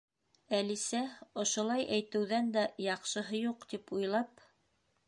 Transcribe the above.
Әлисә ошолай әйтеүҙән дә яҡшыһы юҡ тип уйлап: